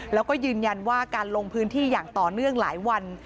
แล้วก็ยืนยันว่าการลงพื้นที่อย่างต่อเนื่องหลายวัน